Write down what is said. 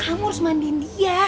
kamu harus mandiin dia